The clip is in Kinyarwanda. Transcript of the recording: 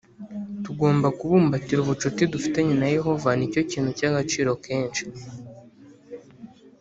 Tugomba kubumbatira ubucuti dufitanye na Yehova Ni cyo kintu cy agaciro kenshi